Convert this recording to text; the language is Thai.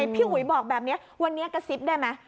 พี่อุ๋ยบอกแบบนี้วันนี้กระซิบได้ไหม